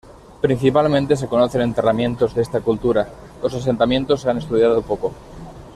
Principalmente se conocen enterramientos de esta cultura, los asentamientos se han estudiado poco.